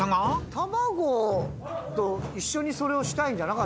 卵と一緒にそれをしたいんじゃなかったの？